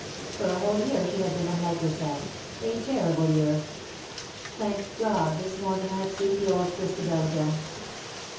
For a whole year she has been unlike herself — a terrible year. Thank God this morning I have seen the old Christabel again.